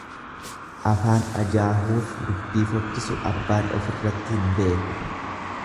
Afaan ajaahuuf dubbii fokkisu abbaan ofirratti hin beeku.